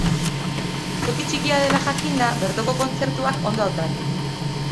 Toki txikia dela jakinda, bertoko kontzertuak ondo hautatu.